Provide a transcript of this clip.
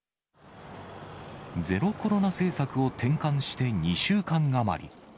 ゼロコロナ政策を転換して２週間余り。